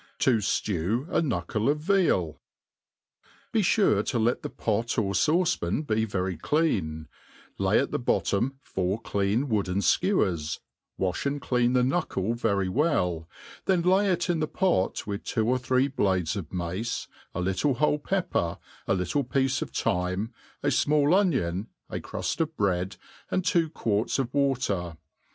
To few a Knuckle of Veal BE fure let the pot or fauce pan be very clean, lay at the bottom four clean wooden fkewers, wafh and clean the knuckle very well, then lay it in the pot with two or three blades of mace, a little whole pepper, a little piece of thyme, a fmall onion, a cruft of bread, and two quarts of water.